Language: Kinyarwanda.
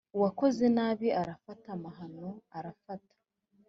uwakoze nabi arafata, amahano arafata.